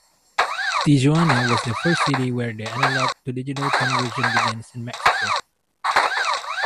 Tijuana was the first city where the analog to digital conversion begins in Mexico.